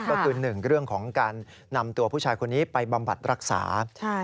ก็คือ๑เรื่องของการนำตัวผู้ชายคนนี้ไปบำบัดรักษา